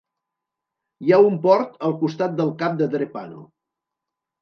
Hi ha un port al costat del cap de Drepano.